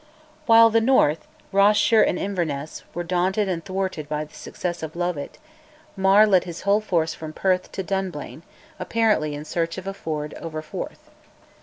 While the north, Ross shire and Inverness, were daunted and thwarted by the success of Lovat, Mar led his whole force from Perth to Dunblane, apparently in search of a ford over Forth.